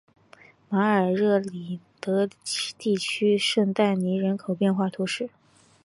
马尔热里德地区圣但尼人口变化图示